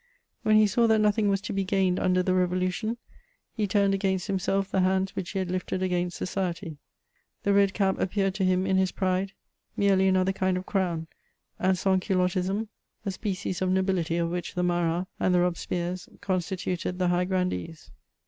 When he saw that nothing was to be gained under the Revolution, he turned against himself the hands which he had lifted against society. The red cap appeared to him in his pride merely another 184 MEMOIRS OF kind of crown, and sans atlottisme, a species of nobilitj of which the Marats and the Robespierres constituted the high grandees.